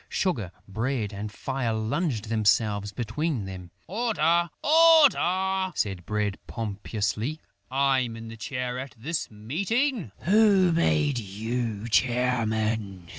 Sugar, Bread and Fire flung themselves between them: "Order! Order!" said Bread pompously. "I'm in the chair at this meeting." "Who made you chairman?"